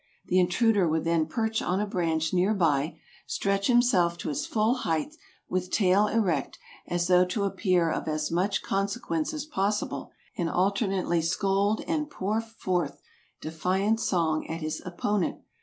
The intruder would then perch on a branch near by, stretch himself to his full height, with tail erect, as though to appear of as much consequence as possible, and alternately scold and pour forth defiant song at his opponent.